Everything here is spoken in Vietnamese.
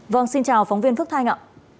vâng xin chào phóng viên phước thanh ạ